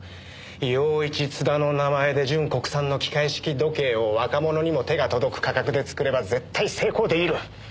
ヨウイチ・ツダの名前で純国産の機械式時計を若者にも手が届く価格で作れば絶対成功出来る！